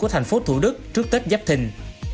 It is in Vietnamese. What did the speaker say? của thành phố thủ đức trước tết giáp thình